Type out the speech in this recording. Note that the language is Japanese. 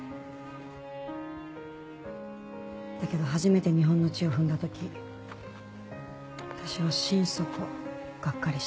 だけど初めて日本の地を踏んだ時私は心底がっかりした。